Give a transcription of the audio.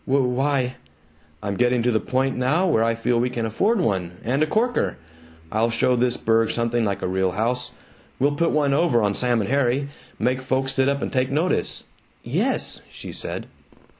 "W why " "I'm getting to the point now where I feel we can afford one and a corker! I'll show this burg something like a real house! We'll put one over on Sam and Harry! Make folks sit up an' take notice!" "Yes," she said.